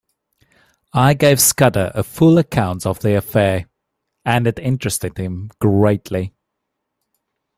I gave Scudder a full account of the affair, and it interested him greatly.